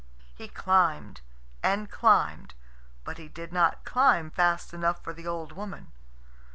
He climbed and climbed, but he did not climb fast enough for the old woman.